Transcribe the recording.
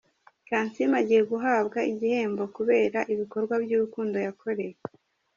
Kansiime agiye guhabwa igihembo kubera ibikorwa by'urukundo yakoreye.